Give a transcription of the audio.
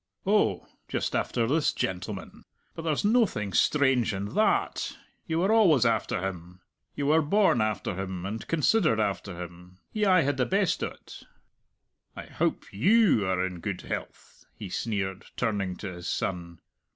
"Oh, just after this gentleman! But there's noathing strange in tha at; you were always after him. You were born after him, and considered after him; he aye had the best o't. I howp you are in good health?" he sneered, turning to his son.